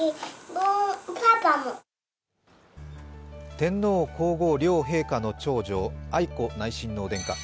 天皇・皇后両陛下の長女愛子内親王殿下。